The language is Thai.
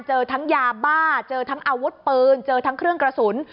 เจอทั้งยาบ้าเจอทั้งอาวุธปืนเจอทั้งเครื่องกระสุน